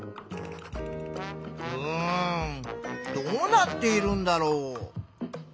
うんどうなっているんだろう？